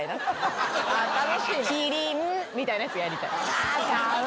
みたいなやつやりたい。